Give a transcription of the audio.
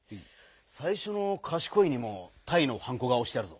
さいしょの「かしこい」にもタイのはんこがおしてあるぞ。